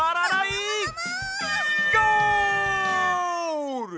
ゴール！